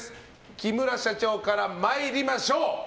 木村社長から参りましょう。